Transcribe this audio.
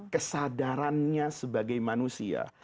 kesadarannya sebagai manusia